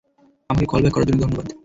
আমাকে কলব্যাক করার জন্য ধন্যবাদ।